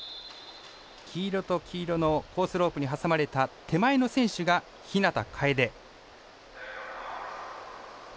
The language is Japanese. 黄色と黄色のコースロープに挟まれた手前の選手が日向楓。